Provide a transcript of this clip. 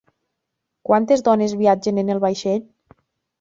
Quantes dones viatgen en el vaixell?